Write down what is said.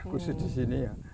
khusus di sini ya